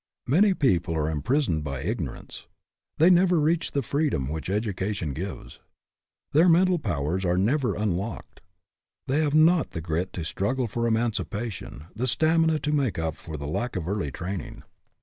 Many people are imprisoned by ignorance. They never reach the freedom which education gives. Their mental powers are never un locked. They have not the grit to struggle for emancipation, the stamina to make up for the lack of early training.